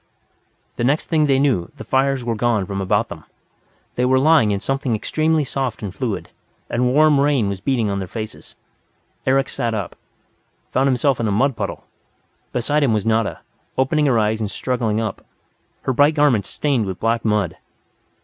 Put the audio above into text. The next thing they knew, the fires were gone from about them. They were lying in something extremely soft and fluid; and warm rain was beating in their faces. Eric sat up, found himself in a mud puddle. Beside him was Nada, opening her eyes and struggling up, her bright garments stained with black mud.